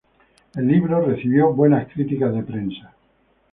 El libro recibió buenas críticas de prensa.